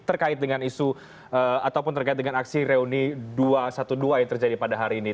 terkait dengan isu ataupun terkait dengan aksi reuni dua ratus dua belas yang terjadi pada hari ini